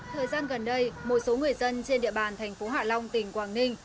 thời gian gần đây một số người dân trên địa bàn thành phố hạ long tỉnh quảng ninh